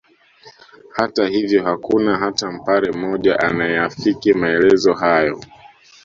Hata hivyo hakuna hata Mpare mmoja anayeafiki maelezo hayo